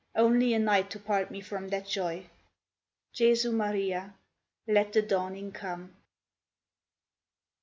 Only a night to part me from that joy. Jesu Maria! let the dawning come.